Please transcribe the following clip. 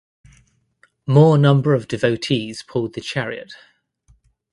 More number of devotees pulled the chariot.